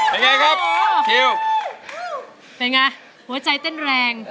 เห็นไงหัวใจเต้นแรง